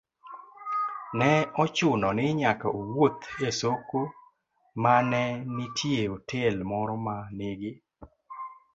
ne ochuno ni nyaka owuoth e soko ma ne nitie otel moro ma nigi